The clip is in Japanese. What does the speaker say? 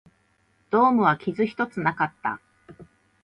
ドームは傷一つなかった